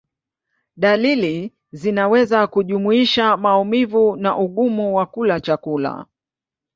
Dalili zinaweza kujumuisha maumivu na ugumu wa kula chakula.